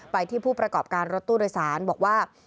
ไปที่ผู้ประกอบการรถตู้โดยสารบอกว่า